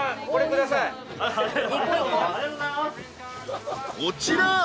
［こちら］